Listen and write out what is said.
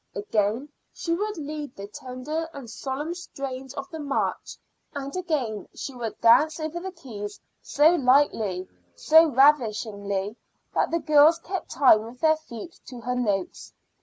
Again she would lead the tender and solemn strains of the march; and again she would dance over the keys so lightly, so ravishingly, that the girls kept time with their feet to her notes.